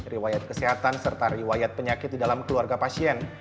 riwayat kesehatan serta riwayat penyakit di dalam keluarga pasien